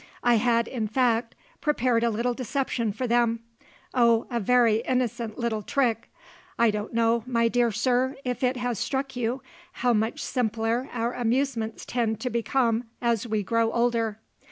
I had, in fact, prepared a little deception for them oh, a very innocent little trick! I don't know, my dear sir, if it has struck you how much simpler our amusements tend to become as we grow older.